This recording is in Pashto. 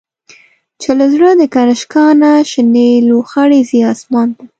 چی له زړه د”کنشکا”نه، شنی لو خړی ځی آسمان ته